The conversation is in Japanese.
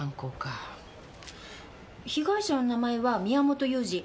被害者の名前は宮元祐司。